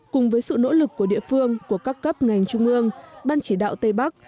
cùng với sự nỗ lực của địa phương của các cấp ngành trung ương ban chỉ đạo tây bắc